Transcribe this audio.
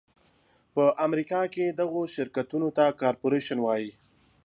په امریکا کې دغو شرکتونو ته کارپورېشن وایي.